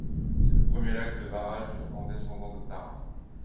C'est le premier lac de barrage en descendant le Tarn.